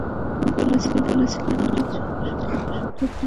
তুমি বলেছিলে আমি কোনো কিছুর শুধু খারাপ দিকটাই দেখি।